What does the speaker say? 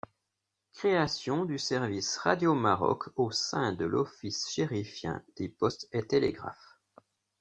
Création du service Radio-Maroc au sein de l'office chérifien des postes et Télégraphes.